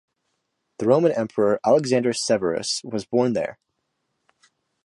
The Roman Emperor Alexander Severus was born there.